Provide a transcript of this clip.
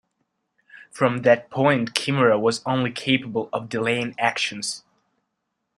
From that point, Kimura was only capable of delaying actions.